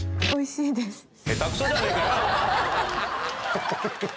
おいしいです。